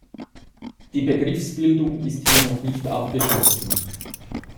Die Begriffsbildung ist hier noch nicht abgeschlossen.